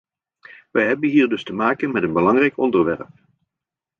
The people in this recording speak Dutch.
We hebben hier dus te maken met een belangrijk onderwerp.